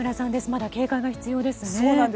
まだ警戒が必要ですね。